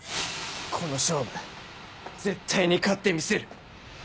この勝負絶対に勝ってみせる！